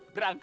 ya ya gak